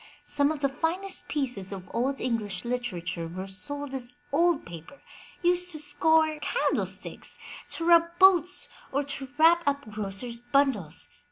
Some of the finest pieces of Old English literature were sold as old paper, used to scour candlesticks, to rub boots, or to wrap up grocers' bundles.